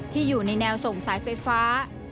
อยู่ในแนวส่งสายไฟฟ้า